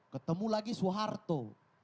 ketemu lagi soeharto